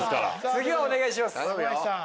次はお願いします。